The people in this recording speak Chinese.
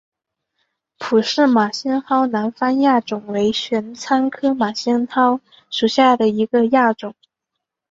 普氏马先蒿南方亚种为玄参科马先蒿属下的一个亚种。